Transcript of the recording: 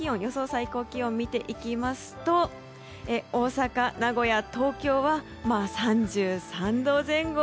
最高気温を見ていきますと大阪、名古屋、東京は３３度前後。